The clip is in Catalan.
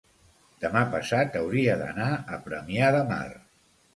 demà passat hauria d'anar a Premià de Mar.